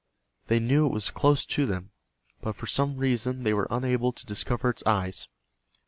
They knew it was close to them, but for some reason they were unable to discover its eyes.